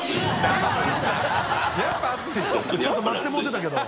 ちょっと待ってもうてたけど。